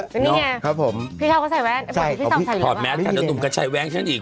นี่ไงครับผมพี่เขาก็ใส่แว่งพี่สอบใส่เหลือบ้างพอดแมทคันตุ๋มก็ใส่แว่งฉันอีก